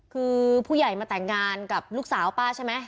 คือผู้ใหญ่มาแต่งงานกับลูกสาวป้าใช่ไหม